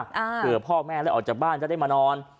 เผื่อพ่อแม่ได้ออกจากบ้านจะได้มานอน